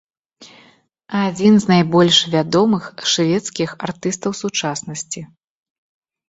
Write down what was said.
Адзін з найбольш вядомых шведскіх артыстаў сучаснасці.